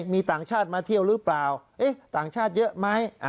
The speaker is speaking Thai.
มีต่างชาติมาเที่ยวหรือเปล่าต่างชาติเยอะไหม